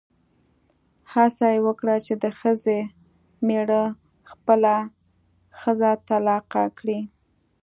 هڅه یې وکړه چې د ښځې مېړه خپله ښځه طلاقه کړي.